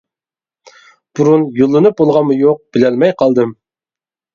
بۇرۇن يوللىنىپ بولغانمۇ يوق بىلەلمەي قالدىم.